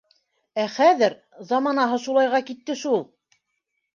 Ә хәҙер... заманаһы шулайға китте шул!